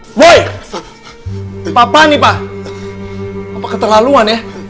woy papa nih pak apa keterlaluan ya